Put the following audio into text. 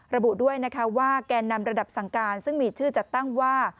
ระบุด้วยนะคะว่าแกนนำระดับสั่งการซึ่งมีชื่อจัดตั้งว่า